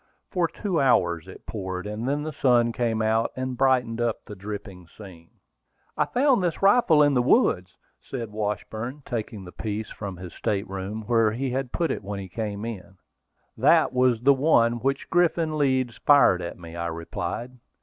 For two hours it poured, and then the sun came out, and brightened up the dripping scene. "I found this rifle in the woods," said Washburn, taking the piece from his state room, where he had put it when he came in. "That was the one with which Griffin Leeds fired at me," I replied.